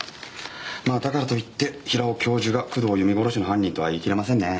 まあだからと言って平尾教授が工藤由美殺しの犯人とは言いきれませんね。